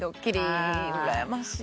うらやましい。